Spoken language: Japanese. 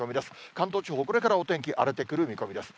関東地方、これからお天気、荒れてくる見込みです。